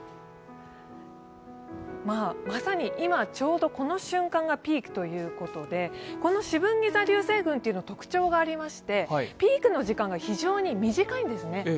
まさに今ちょうどこの瞬間がピークということで、このしぶんぎ座流星群というのは特徴がありまして、ピークの時間が非常に短いんですね。